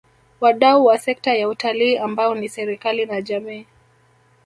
Wadau wa sekta ya Utalii ambao ni serikali na jamii